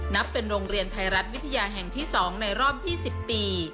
นับเป็นโรงเรียนไทยรัฐวิทยาแห่งที่๒ในรอบ๒๐ปี